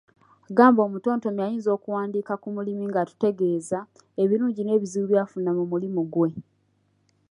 Gamba omutontomi ayinza okuwandiika ku mulimi ng’atutegeeza, ebirungi n’ebizibu by’afuna mu mulimu gwe.